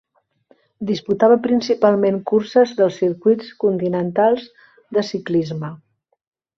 Disputava principalment curses dels circuits continentals de ciclisme.